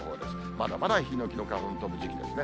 まだまだヒノキの花粉、飛ぶ時期ですね。